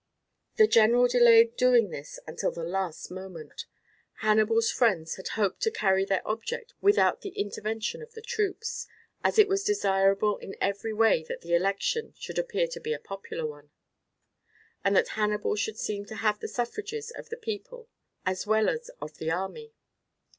The general delayed doing this until the last moment. Hannibal's friends had hoped to carry their object without the intervention of the troops, as it was desirable in every way that the election should appear to be a popular one, and that Hannibal should seem to have the suffrages of the people as well as of the army.